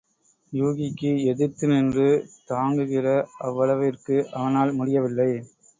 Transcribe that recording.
யூகிக்கு எதிர்த்து நின்று தாங்குகிற அவ்வளவிற்கு அவனால் முடியவில்லை.